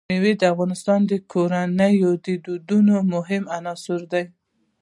مېوې د افغان کورنیو د دودونو مهم عنصر دی.